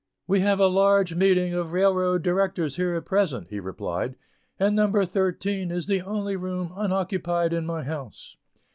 "We have a large meeting of Railroad directors here at present," he replied, "and 'number thirteen' is the only room unoccupied in my house."